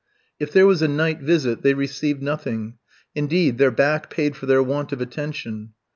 If there was a night visit they received nothing, indeed their back paid for their want of attention.